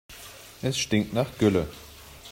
Es stinkt nach Gülle.